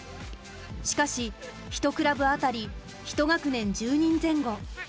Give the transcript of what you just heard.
しかし１クラブ当たり１学年１０人前後。